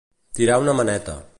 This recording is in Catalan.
Tirar una maneta.